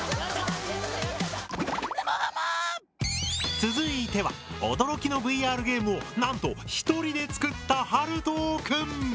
続いては驚きのＶＲゲームをなんと一人で作ったはるとくん。